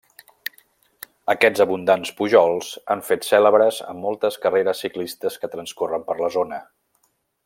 Aquests abundants pujols han fet cèlebres a moltes carreres ciclistes que transcorren per la zona.